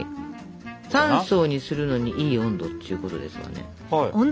３層にするのにいい温度っちゅうことですわね。